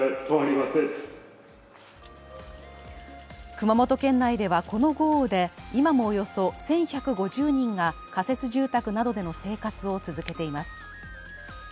熊本県内では、この豪雨で今もおよそ１１５０人が仮設住宅などでの生活を続けています。